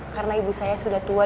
karena ibu saya sudah tua